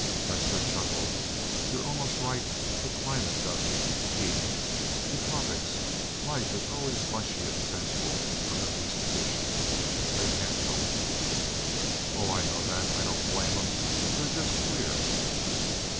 Lester chuckled, "You're almost right. But climate does it. Heat. The tropics. Life is always mushy and sensual under these conditions. They can't help it." "Oh, I know that. I don't blame them. They're just queer."